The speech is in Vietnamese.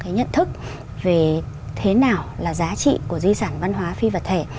cái nhận thức về thế nào là giá trị của di sản văn hóa phi vật thể